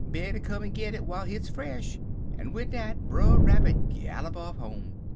Better come git it while hit's fresh,' and wid dat Brer Rabbit gallop off home.